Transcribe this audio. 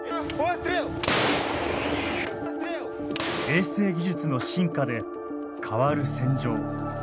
衛星技術の進化で変わる戦場。